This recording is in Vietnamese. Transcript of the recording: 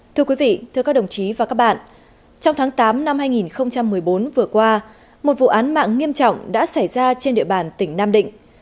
thưa quý vị thưa các đồng chí và các bạn trong tháng tám năm hai nghìn một mươi bốn vừa qua một vụ án mạng nghiêm trọng đã xảy ra trên địa bàn tỉnh nam định